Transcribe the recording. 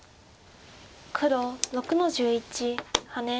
黒６の十一ハネ。